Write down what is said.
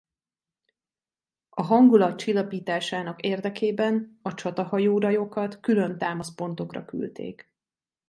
A hangulat csillapításának érdekében a csatahajórajokat külön támaszpontokra küldték.